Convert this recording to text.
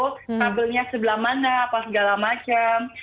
kabelnya sebelah mana apa segala macam